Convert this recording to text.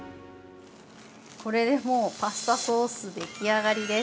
◆これで、もうパスタソースでき上がりです。